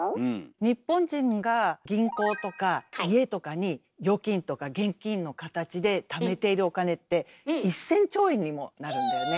日本人が銀行とか家とかに預金とか現金の形でためているお金って１，０００兆円にもなるんだよね。